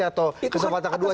atau kesempatan kedua